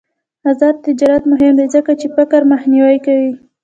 آزاد تجارت مهم دی ځکه چې فقر مخنیوی کوي.